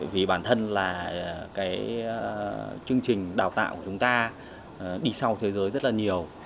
vì bản thân là cái chương trình đào tạo của chúng ta đi sau thế giới rất là nhiều